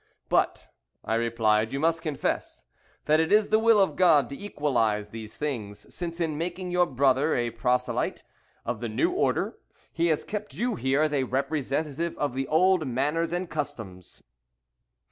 "But," I replied, "you must confess that it is the will of God to equalize these things, since in making your brother a proselyte of the new order He has kept you here as a representative of the old manners and customs."